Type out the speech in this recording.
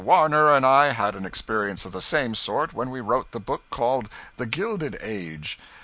Warner and I had an experience of the same sort when we wrote the book called 'The Gilded Age.'